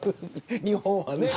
日本はね。